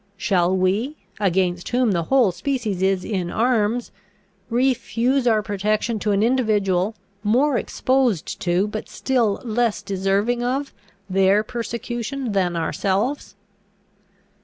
Shall we, against whom the whole species is in arms, refuse our protection to an individual, more exposed to, but still less deserving of, their persecution than ourselves?"